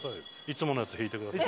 いつものやつ弾いてください。